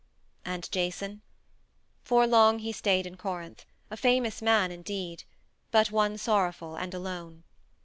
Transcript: And Jason? For long he stayed in Corinth, a famous man indeed, but one sorrowful and alone.